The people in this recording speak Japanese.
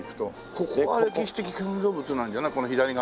ここは歴史的建造物なんじゃないこの左側。